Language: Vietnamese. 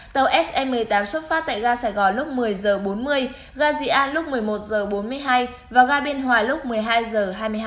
tàu se một mươi tám xuất phát tại gà sài gòn lúc một mươi giờ bốn mươi gà dị an lúc một mươi một giờ bốn mươi hai và gà biên hòa lúc một mươi hai giờ hai mươi hai